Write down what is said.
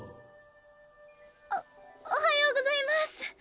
おおはようございます。